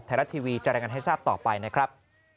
ไทยรัฐทีวีจะรายงานให้ทราบต่อไปนะครับ